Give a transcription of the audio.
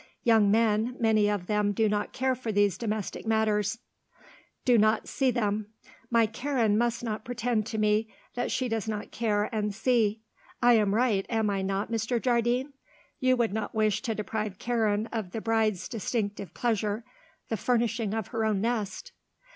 Young men, many of them do not care for these domestic matters; do not see them. My Karen must not pretend to me that she does not care and see. I am right, am I not, Mr. Jardine? you would not wish to deprive Karen of the bride's distinctive pleasure the furnishing of her own nest."